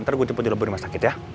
ntar gue jemput di lebur mas sakit ya